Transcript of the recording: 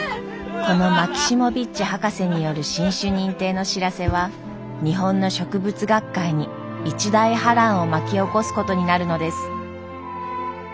このマキシモヴィッチ博士による新種認定の知らせは日本の植物学界に一大波乱を巻き起こすことになるのです。